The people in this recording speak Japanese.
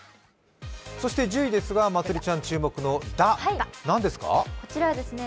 そして１０位ですがまつりちゃん注目のダッ、これは何ですか？